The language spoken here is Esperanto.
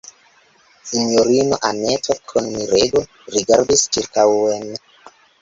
Sinjorino Anneto kun mirego rigardis ĉirkaŭen.